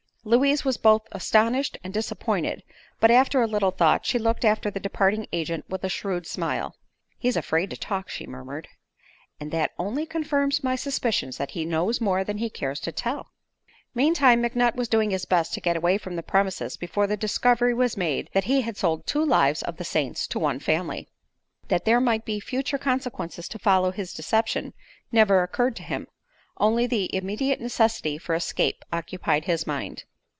Louise was both astonished and disappointed, but after a little thought she looked after the departing agent with a shrewd smile. "He's afraid to talk," she murmured, "and that only confirms my suspicions that he knows more than he cares to tell." Meantime McNutt was doing his best to get away from the premises before the discovery was made that he had sold two "Lives of the Saints" to one family. That there might be future consequences to follow his deception never occurred to him; only the immediate necessity for escape occupied his mind.